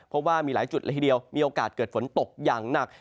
เพราะว่ามีหลายจุดละทีเดียวมีโอกาสเกิดฝนตกอย่างหนัก